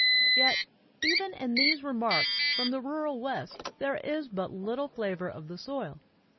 1 Yet even in these remarks from the rural West, there is but little flavor of the soil.